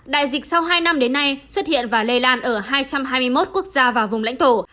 đại dịch sau hai năm đến nay xuất hiện và lây lan ở hai trăm hai mươi một quốc gia và vùng lãnh thổ